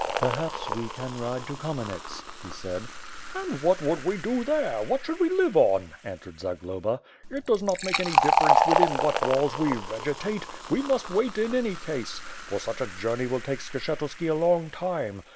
"Perhaps we can ride to Kamenets," he said. "And what would we do there, what should we live on?" answered Zagloba. It does not make any difference within what walls we vegetate, we must wait in any case! for such a journey will take Skshetuski a long time.